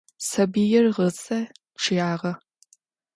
Sabıir ğıze ççıyağe.